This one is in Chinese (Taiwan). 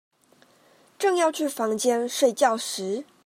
正要去房間睡覺時